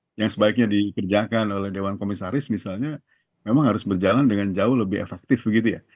yang sebaiknya dikerjakan oleh dewan komisaris misalnya memang harus berjalan dengan jauh lebih efektif begitu ya